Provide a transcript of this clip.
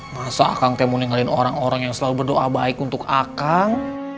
masa akan teh mau ninggalin orang orang yang selalu berdoa baik untuk akan